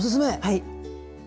はい。